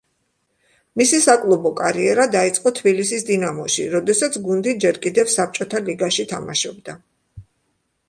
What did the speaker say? მისი საკლუბო კარიერა დაიწყო თბილისის „დინამოში“, როდესაც გუნდი ჯერ კიდევ საბჭოთა ლიგაში თამაშობდა.